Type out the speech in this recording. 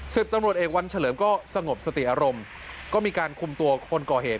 สิบตำรวจเอกวันเฉลิมก็สงบสติอารมณ์ก็มีการคุมตัวคนก่อเหตุ